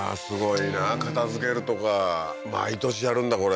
すごいな片づけるとか毎年やるんだ